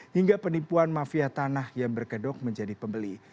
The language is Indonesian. hingga penipuan mafia tanah yang berkedok menjadi pembeli